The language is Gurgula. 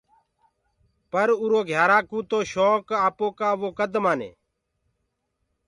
پر اُرو گھيارآ ڪوُ تو شونڪ آپوڪآ وو ڪد مآني۔